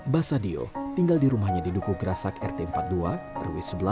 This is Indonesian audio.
basa diyu tinggal di rumahnya di duku gerasak rt empat puluh dua rw sebelas